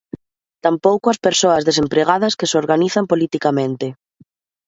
Tampouco as persoas desempregadas que se organizan politicamente.